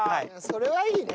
それはいいね！